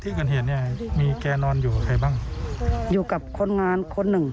ที่เกิดเหตุเนี่ยมีแกนอนอยู่กับใครบ้างอยู่กับคนงานคนหนึ่ง